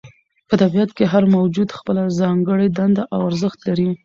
په طبیعت کې هر موجود خپله ځانګړې دنده او ارزښت لري.